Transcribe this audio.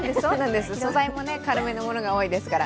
素材も軽めのものが多いです。